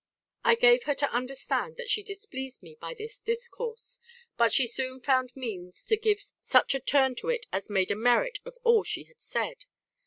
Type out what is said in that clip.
"I gave her to understand that she displeased me by this discourse; but she soon found means to give such a turn to it as made a merit of all she had said.